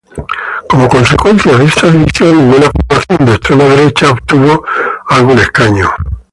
Como consecuencia de esta división, ninguna formación de extrema derecha obtuvo algún escaño.